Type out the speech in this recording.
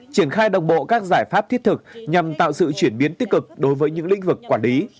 triển khai đồng bộ các giải pháp thiết thực nhằm tạo sự chuyển biến tích cực đối với những lĩnh vực quản lý